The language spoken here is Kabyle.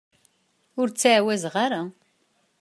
Ur ttɛawazeɣ ara.